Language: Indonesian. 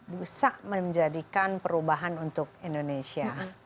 bisa menjadikan perubahan untuk indonesia